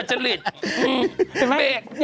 มันเหมือนอ่ะ